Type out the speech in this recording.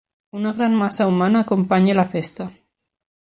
Una gran massa humana acompanya la festa.